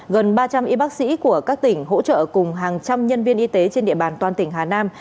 gần ba trăm linh y bác sĩ của các tỉnh hỗ trợ cùng hàng trăm nhân viên y tế trên địa bàn toàn tỉnh hà nam